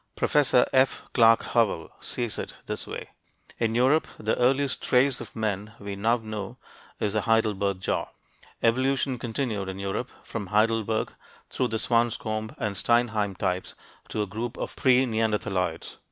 Professor F. Clark Howell sees it this way. In Europe, the earliest trace of men we now know is the Heidelberg jaw. Evolution continued in Europe, from Heidelberg through the Swanscombe and Steinheim types to a group of pre neanderthaloids.